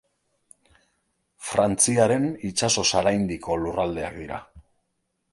Frantziaren itsasoz haraindiko lurraldeak dira.